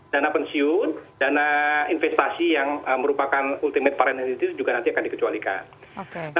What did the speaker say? dana pensiun dana investasi yang merupakan ultimate parintensi itu juga nanti akan dikecualikan